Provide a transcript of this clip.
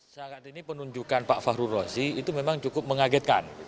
saat ini penunjukan pak fahru rozi itu memang cukup mengagetkan